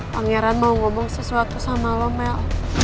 pangeran mau ngomong sesuatu sama lo mel